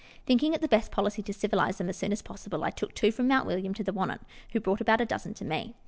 Thinking it the best policy to civilize them as soon as possible, I took two from Mount William to the Wannon, who brought about a dozen to me.